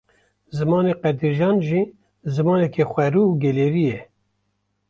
Zimanê Qedrîcan jî, zimanekî xwerû û gelêrî ye